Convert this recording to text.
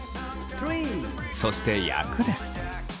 そして焼くです。